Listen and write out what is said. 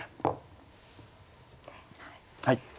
はい。